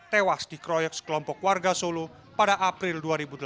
tewas di kroyek sekelompok warga solo pada april dua ribu delapan belas